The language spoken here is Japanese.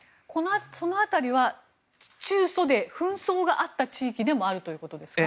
その辺りは中ソで紛争があった地域でもあるということですか？